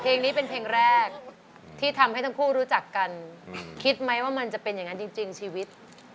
เพลงนี้เป็นเพลงแรกที่ทำให้ทั้งคู่รู้จักกันคิดไหมว่ามันจะเป็นอย่างนั้นจริงชีวิต